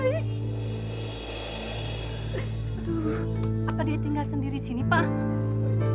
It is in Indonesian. aduh apa dia tinggal sendiri di sini pak